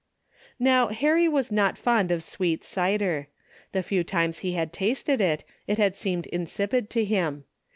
How Harry was not fond of sweet cider. The few times he had tasted it, it had seemed insipid to him.